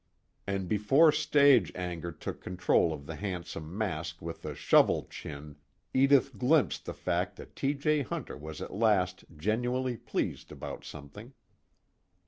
And before stage anger took control of the handsome mask with the shovel chin, Edith glimpsed the fact that T. J. Hunter was at last genuinely pleased about something.